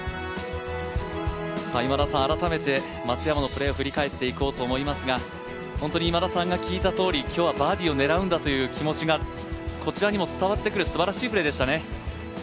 改めて松山のプレーを振り返っていこうと思いますが本当に今田さんが聞いたとおり今日はバーディーを狙うんだという気持ちがこちらにも伝わってくるすばらしいプレーでしたね。